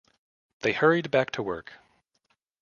They hurried back to work.